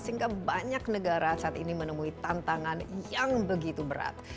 sehingga banyak negara saat ini menemui tantangan yang begitu berat